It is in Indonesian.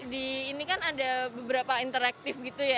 di ini kan ada beberapa interaktif gitu ya